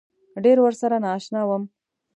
ډېر ورسره نا اشنا وم.